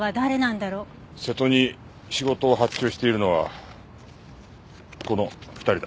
瀬戸に仕事を発注しているのはこの２人だ。